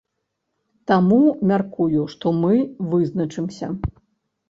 Таму, мяркую, што мы вызначымся.